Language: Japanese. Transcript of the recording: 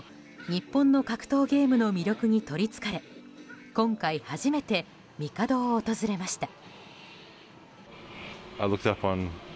日本の格闘ゲームの魅力に取りつかれ今回初めてミカドを訪れました。